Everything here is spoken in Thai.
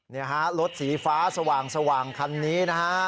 นี่ฮะรถสีฟ้าสว่างคันนี้นะฮะ